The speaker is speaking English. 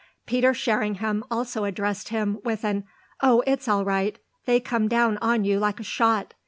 Peter Sherringham also addressed him with an "Oh it's all right; they come down on you like a shot!"